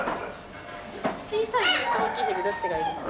小さいヘビと大きいヘビどっちがいいですか？